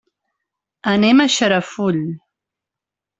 Anem a Xarafull.